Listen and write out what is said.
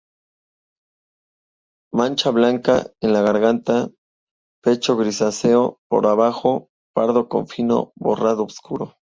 Mancha blanca en la garganta, pecho grisáceo; por abajo, pardo con fino barrado oscuro.